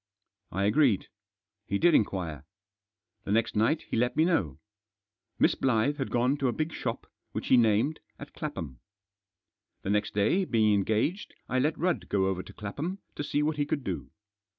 I agreed. He did inquire. The next night he let me know. Miss Blyth had gone to a big shop, which he named, at Clapham. The next day, being en gaged, I let Rudd go over to Clapham to see what he could do.